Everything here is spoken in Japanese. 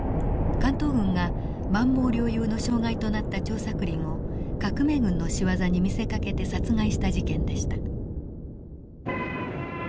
関東軍が満蒙領有の障害となった張作霖を革命軍の仕業に見せかけて殺害した事件でした。